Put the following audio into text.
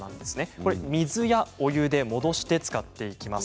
これは水やお湯で戻して使っていきます。